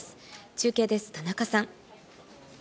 中継です、田中さん。